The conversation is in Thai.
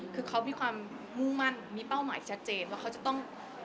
คือเขามีความมุ่งมั่นมีเป้าหมายชัดเจนว่าเขาจะต้อง